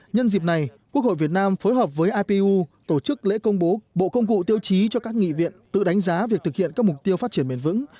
nhân dịp này quốc hội việt nam phối hợp với ipu tổ chức lễ công bố bộ công cụ tiêu chí cho các nghị viện tự đánh giá việc thực hiện các mục tiêu phát triển bền vững